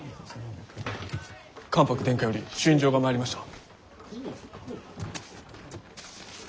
関白殿下より朱印状が参りました。